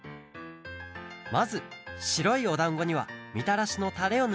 まずしろいおだんごにはみたらしのたれをぬります。